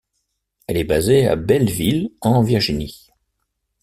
Elle est basée à Belleville, en Virginie.